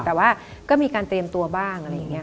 แต่ว่าก็มีการเตรียมตัวบ้างอะไรอย่างนี้